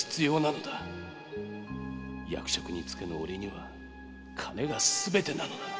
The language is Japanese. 〔役職に就けぬ俺には金がすべてなのだ！〕